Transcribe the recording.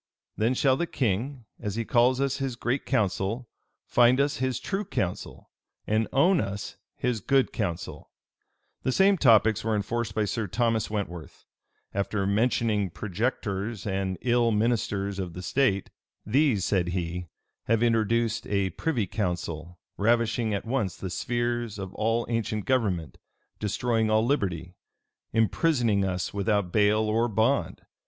Then shall the king, as he calls us his great council, find us his true council, and own us his good council."[*] * Franklyn, p. 245. Parl. Hist. vol. vii. p. 363. Rushworth, vol i. p. 502. The same topics were enforced by Sir Thomas Wentworth. After mentioning projectors and ill ministers of state, "These," said he, "have introduced a privy council, ravishing at once the spheres of all ancient government; destroying all liberty; imprisoning us without bail or bond.